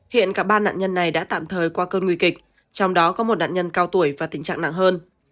hiện cả ba nạn nhân này đã tạm thời qua cơn nguy kịch trong đó có một nạn nhân cao tuổi và tình trạng nặng hơn